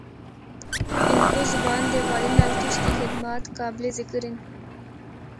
ہندکو زبان دے حوالے نال تُسدی خدمات قابل ذکر ہن۔